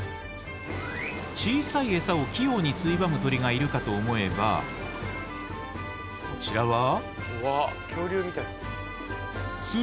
小さいエサを器用についばむ鳥がいるかと思えばこちらは。